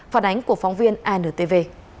phản ánh của phóng viên antv